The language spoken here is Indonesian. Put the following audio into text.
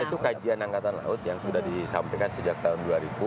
itu kajian angkatan laut yang sudah disampaikan sejak tahun dua ribu